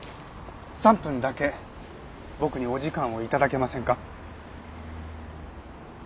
３分だけ僕にお時間を頂けませんか？